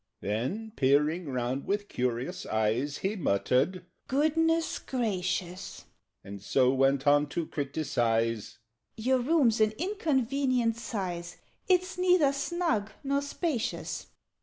Then, peering round with curious eyes, He muttered "Goodness gracious!" And so went on to criticise "Your room's an inconvenient size: It's neither snug nor spacious.